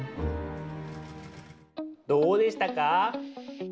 どうでしたか？